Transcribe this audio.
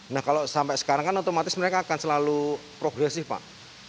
nah kalau sampai sekarang kan otomatis mereka akan selalu progresif pak